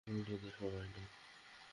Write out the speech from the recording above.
Load হতে সময় নেয়।